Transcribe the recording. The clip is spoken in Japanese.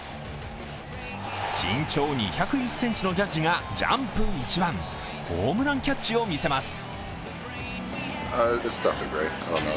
身長２０１ｃｍのジャッジがジャンプ一番、ホームランキャッチをみせます。